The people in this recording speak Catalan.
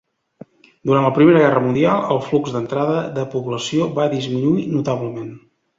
Durant la Primera Guerra Mundial el flux d'entrada de població va disminuir notablement.